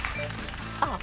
あっ。